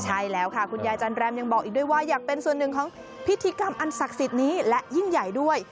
ใช่แล้วค่ะคุณยายจันแรมยังบอกอีกด้วยว่าอยากเป็นส่วนหนึ่งของพิธีกรรมอันศักดิ์สิทธิ์นี้และยิ่งใหญ่ด้วย